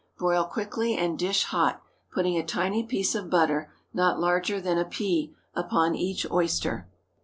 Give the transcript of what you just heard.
Broil quickly and dish hot, putting a tiny piece of butter, not larger than a pea, upon each oyster.